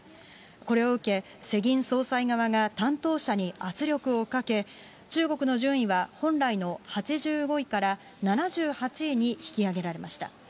これを受け、世銀総裁側が担当者に圧力をかけ、中国の順位は本来の８５位から７８位に引き上げられました。